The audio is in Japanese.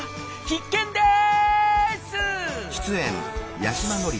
必見です！